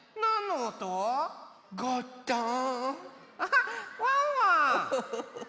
あっワンワン！